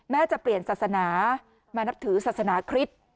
จะเปลี่ยนศาสนามานับถือศาสนาคริสต์